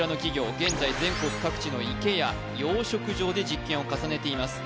現在全国各地の池や養殖場で実験を重ねています